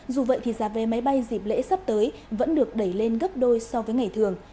dù vậy thì giá vé máy bay dịp lễ sắp tới vẫn được đẩy lên gấp đôi so với ngày thường